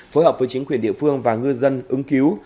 phối hợp với chính quyền địa phương và ngư dân ứng cứu